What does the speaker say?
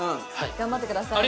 頑張ってください。